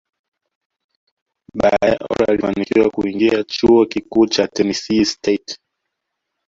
Baadae Oprah alifanikiwa kuingia chuo kikuu cha Tenesse State